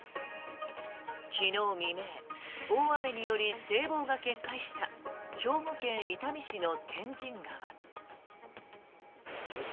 昨日未明大雨により堤防が決壊した兵庫県伊丹市の天神川。